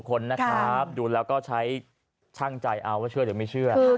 ครับดูแล้วก็ใช้คั่งใจเอาว่าเชื่อเดี๋ยวไม่เชื่อครับ